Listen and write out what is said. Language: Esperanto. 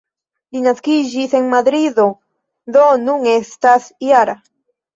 Li naskiĝis en Madrido, do nun estas -jara.